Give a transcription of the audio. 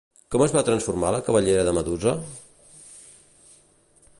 Com es va transformar la cabellera de Medusa?